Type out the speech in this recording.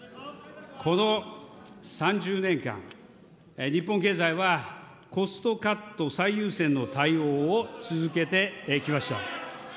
この３０年間、日本経済は、コストカット最優先の対応を続けてきました。